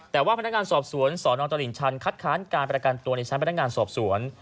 แต่ว่าพนักงานสอบสวนสนตลิ่งชันคัดค้านการประกันตัวในชั้นพนักงานสอบสวน